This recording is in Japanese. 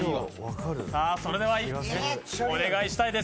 それではお願いしたいです。